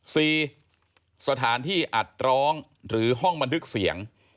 สถานที่อัดร้องหรือห้องบันทึกเสียง